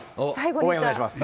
応援お願いします。